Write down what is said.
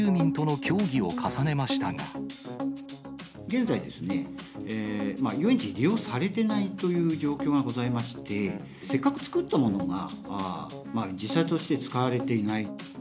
市は、現在、遊園地が利用されていないという状況がございまして、せっかくつくったものが、実際として使われていない。